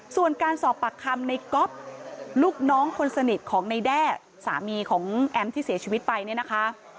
ส่วนการสอบปากคำในก๊อฟลูกน้องคนสนิทของในแด้สามีของแอมที่เสียชีวิตไปเนี่ยนะคะ